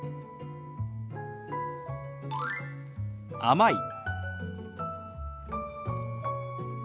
「甘い」。